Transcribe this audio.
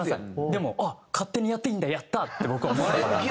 でも勝手にやっていいんだやったー！って僕は思ってたので。